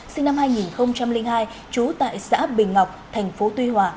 sinh năm hai nghìn hai trú tại xã bình ngọc thành phố tuy hòa